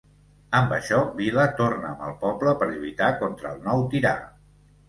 Amb això, Vila torna amb el poble per lluitar contra el nou tirà.